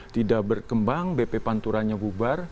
tidak berkembang bp panturanya bubar